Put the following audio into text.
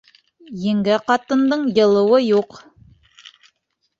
Еңгә ҡатындың йылыуы юҡ.